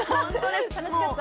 楽しかった。